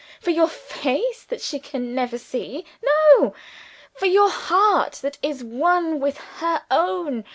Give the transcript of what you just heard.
For your face that she can never see? No! For your heart that is one with her own.